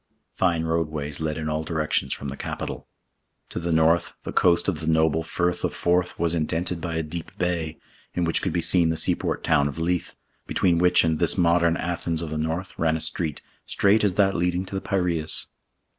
Fine roadways led in all directions from the capital. To the north, the coast of the noble Firth of Forth was indented by a deep bay, in which could be seen the seaport town of Leith, between which and this Modern Athens of the north ran a street, straight as that leading to the Piraeus.